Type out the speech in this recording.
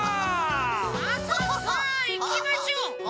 さあさあさあいきましょう。